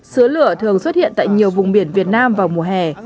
sứ lửa thường xuất hiện tại nhiều vùng biển việt nam vào mùa hè